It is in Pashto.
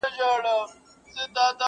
زه مي د شرف له دایرې وتلای نه سمه،